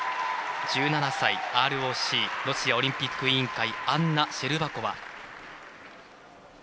１７歳、ＲＯＣ＝ロシアオリンピック委員会アンナ・シェルバコワ。